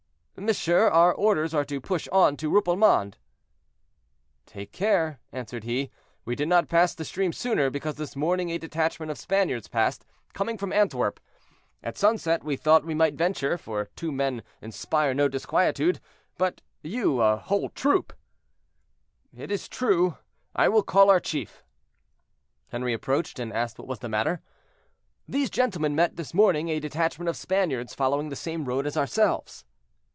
"Monsieur, our orders are to push on to Rupelmonde." "Take care," answered he. "We did not pass the stream sooner, because this morning a detachment of Spaniards passed, coming from Antwerp. At sunset we thought we might venture, for two men inspire no disquietude; but you, a whole troop—" "It is true; I will call our chief." Henri approached, and asked what was the matter. "These gentlemen met this morning a detachment of Spaniards following the same road as ourselves."